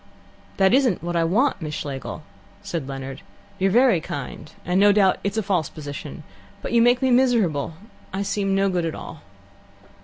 "That isn't what I want, Miss Schlegel," said Leonard. "You're very kind, and no doubt it's a false position, but you make me miserable. I seem no good at all."